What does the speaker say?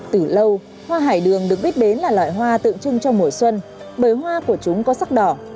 từ lâu hoa hải đường được biết đến là loài hoa tượng trưng cho mùa xuân bởi hoa của chúng có sắc đỏ